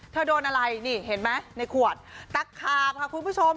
โดนอะไรนี่เห็นไหมในขวดตะขาบค่ะคุณผู้ชม